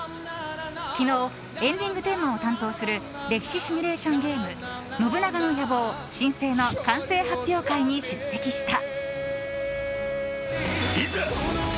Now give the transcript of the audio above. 昨日、エンディングテーマを担当する歴史シミュレーションゲーム「信長の野望・新生」の完成発表会に出席した。